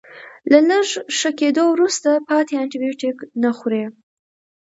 له لږ ښه کیدو وروسته پاتې انټي بیوټیک نه خوري.